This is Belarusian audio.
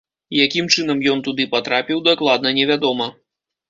Якім чынам ён туды патрапіў, дакладна невядома.